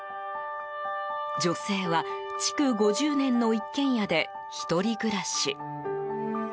女性は、築５０年の一軒家で１人暮らし。